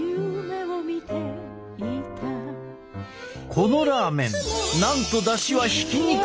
このラーメンなんとだしはひき肉のみ。